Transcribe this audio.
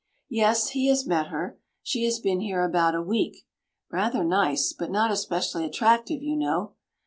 Yes, he has met her. She has been here about a week. "Rather nice, but not especially attractive, you know."